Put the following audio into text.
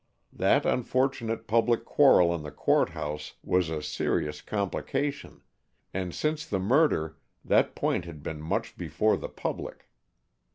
That unfortunate public quarrel in the Court House was a serious complication, and since the murder that point had been much before the public.